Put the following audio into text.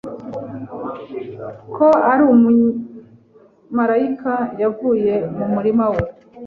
ko ari umumarayika yavuye mu murima we